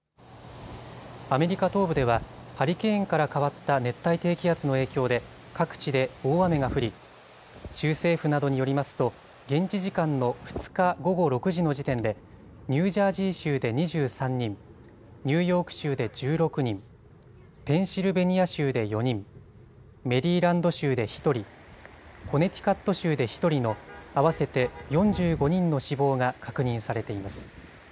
アメリカ東部ではハリケーンから変わった熱帯低気圧の影響で各地で大雨が降り州政府などによりますと現地時間の２日午後６時の時点でニュージャージー州で２３人、ニューヨーク州で１６人、ペンシルベニア州で４人、メリーランド州で１人、コネティカット州で１人の合わせて４５人の死亡が確認されています。